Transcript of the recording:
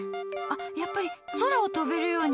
やっぱり、空を飛べるように！